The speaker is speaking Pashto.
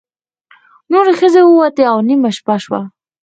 نورې ښځې ووتې او نیمه شپه شوه.